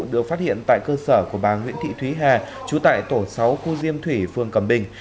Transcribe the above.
được phát hiện tại cơ sở của bà nguyễn thị thúy hà trú tại tổ sáu khu diêm thủy phường cầm bình